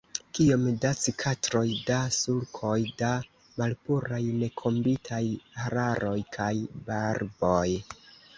Kiom da cikatroj, da sulkoj, da malpuraj nekombitaj hararoj kaj barboj!